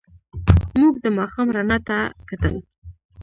موږ د ماښام رڼا ته کتل.